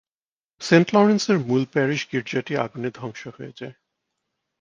Saint লরেন্সের মূল parish গির্জাটি আগুনে ধ্বংস হয়ে যায়।